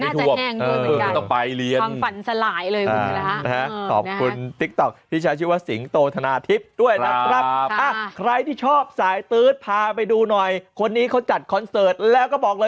กับฮรกับเอฟซีเอฟซีน้องของโลก